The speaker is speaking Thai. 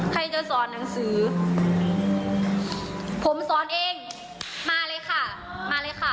ใครจะสอนหนังสือผมสอนเองมาเลยค่ะมาเลยค่ะ